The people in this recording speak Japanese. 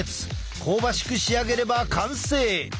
香ばしく仕上げれば完成！